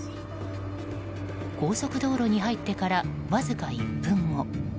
高速道路に入ってからわずか１分後。